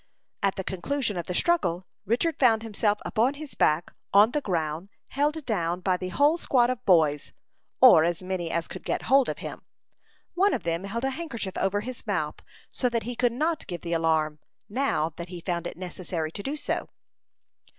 At the conclusion of the struggle Richard found himself upon his back, on the ground, held down by the whole squad of boys, or as many as could get hold of him. One of them held a handkerchief over his mouth, so that he could not give the alarm, now that he found it necessary to do so.